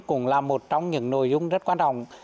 cũng là một trong những nội dung rất quan trọng